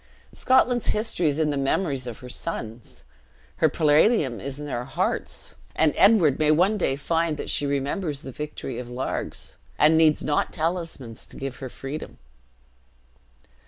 Scotland's history is in the memories of her sons; her palladium is in their hearts; and Edward may one day find that she remembers the victory of Largs, and needs not talismans to give her freedom."